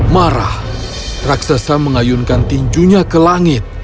marah raksasa mengayunkan tinjunya ke langit